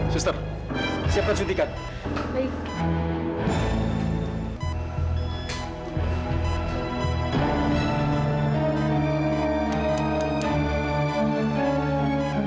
sister siapkan suntikan